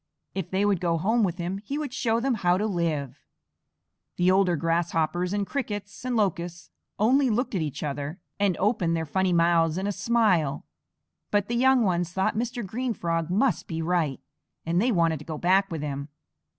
If they would go home with him, he would show them how to live." The older Grasshoppers and Crickets and Locusts only looked at each other and opened their funny mouths in a smile, but the young ones thought Mr. Green Frog must be right, and they wanted to go back with him.